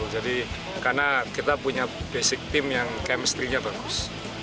jadi karena kita punya basic tim yang kemestrinya bagus